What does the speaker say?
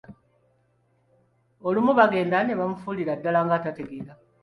Olumu baagenda ne bamufuulira ddala ng'atategeera.